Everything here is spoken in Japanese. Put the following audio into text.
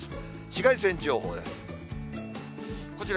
紫外線情報です。